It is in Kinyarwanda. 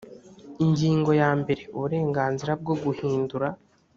ingingo ya mbere uburenganzira bwo guhindura